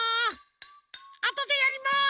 ああとでやります！